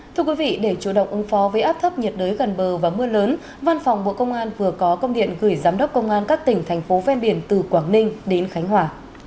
thưa quý vị để chủ động ứng phó với áp thấp nhiệt đới gần bờ và mưa lớn văn phòng bộ công an vừa có công điện gửi giám đốc công an các tỉnh thành phố ven biển từ quảng ninh đến khánh hòa